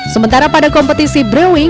sementara pada kompetisi brewing